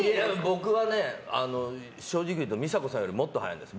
僕はね、正直言うと美佐子さんよりもっと早いです。